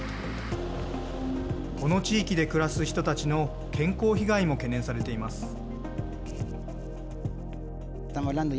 この地域で暮らす人たちの健康被害も懸念されています。